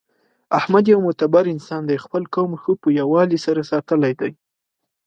احمد یو مدبر انسان دی. خپل قوم ښه په یووالي سره ساتلی دی